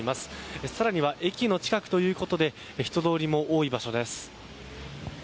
更には、駅の近くということで人通りも多い場所です。